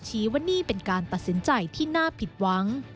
ชี้ว่านี่เป็นการตัดสินใจที่น่าผิดหวัง